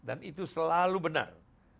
dan itu selalu benar